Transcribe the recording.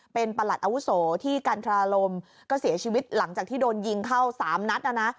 เป็นประหลัดอาวุโสที่กันทราลมก็เสียชีวิตหลังจากที่โดนยิงเข้า๓นัดนะนะ